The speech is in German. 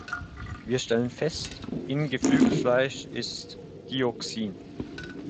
Wir stellen fest, in Geflügelfleisch ist Dioxin.